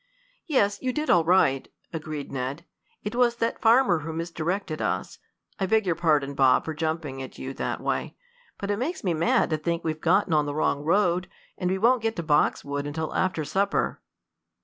"Yes, you did all right," agreed Ned. "It was that farmer who misdirected us. I beg your pardon, Bob, for jumping at you that way. But it makes me mad to think we've gotten on the wrong road, and we won't get to Boxwood until after supper."